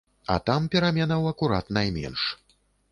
А там пераменаў акурат найменш.